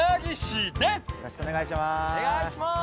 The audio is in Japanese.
よろしくお願いします。